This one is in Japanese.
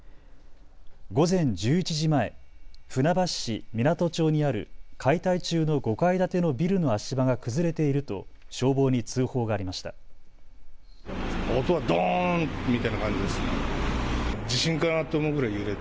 午前１１時前、船橋市湊町にある解体中の５階建てのビルの足場が崩れていると消防に通報がありました。